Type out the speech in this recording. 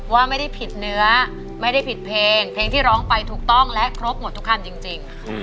ว่าไม่ได้ผิดเนื้อไม่ได้ผิดเพลงเพลงที่ร้องไปถูกต้องและครบหมดทุกคำจริง